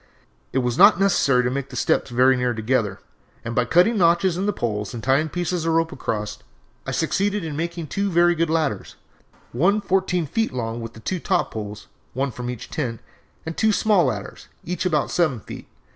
It was not necessary to make the steps very near together, and by cutting notches in the poles and tying pieces of rope across I succeeded in making two very good ladders, one fourteen feet long, with the two top poles one from each tent; and two small ladders, each about seven feet.